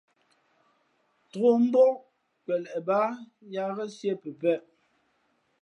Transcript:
Tōk mbók kweleʼ bāā yā ghén siē pəpēʼ.